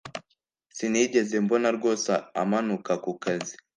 sinigeze mbona rwose amanuka ku kazi